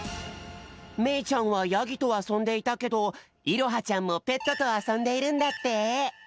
めいちゃんはヤギとあそんでいたけどいろはちゃんもペットとあそんでいるんだって。